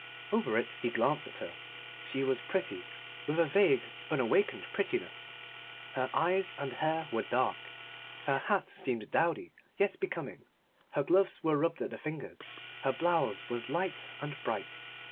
Over it he glanced at her. She was pretty with a vague unawakened prettiness. Her eyes and hair were dark. Her hat seemed dowdy, yet becoming. Her gloves were rubbed at the fingers. Her blouse was light and bright.